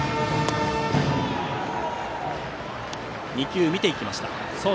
２球、見ていきました。